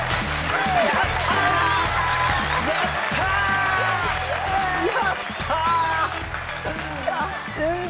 はい。